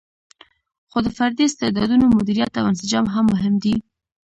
خو د فردي استعدادونو مدیریت او انسجام هم مهم دی.